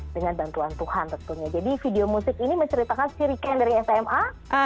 dengan bantuan tuhan tentunya jadi video musik ini menceritakan si rika yang dari sma